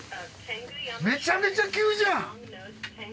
めちゃめちゃ急じゃん！